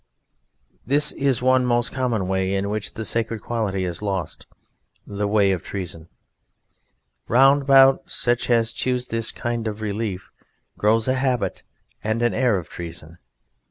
This is one most common way in which the sacred quality is lost: the way of treason. Round about such as choose this kind of relief grows a habit and an air of treason.